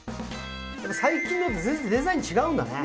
最近のやつと全然デザイン違うんだね